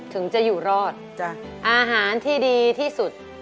ถึงจะอยู่รอดอาหารที่ดีที่สุด